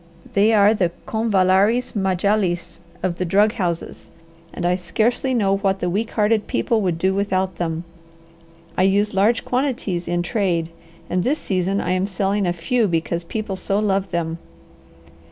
"They are the convallaris majallis of the drug houses and I scarcely know what the weak hearted people would do without them. I use large quantities in trade, and this season I am selling a few because people so love them."